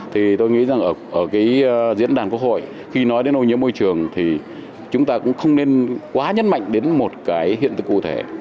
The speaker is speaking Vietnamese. thì tôi nghĩ rằng ở cái diễn đàn quốc hội khi nói đến ô nhiễm môi trường thì chúng ta cũng không nên quá nhấn mạnh đến một cái hiện thực cụ thể